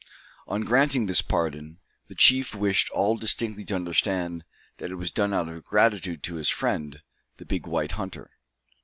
On granting this pardon, the chief wished all distinctly to understand that it was done out of gratitude to his friend, the big white hunter.